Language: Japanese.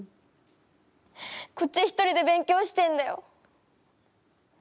こっち１人で勉強してんだよ。